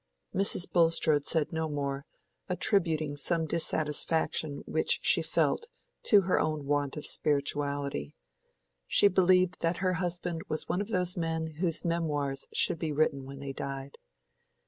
Mrs. Bulstrode said no more, attributing some dissatisfaction which she felt to her own want of spirituality. She believed that her husband was one of those men whose memoirs should be written when they died.